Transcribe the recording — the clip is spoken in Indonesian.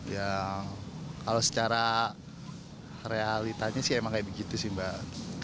ya kalau secara realitanya sih emang kayak begitu sih mbak